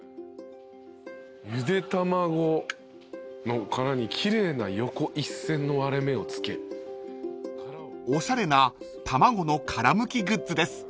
「ゆで卵の殻に奇麗な横一線の割れ目を付け」［おしゃれな卵の殻むきグッズです］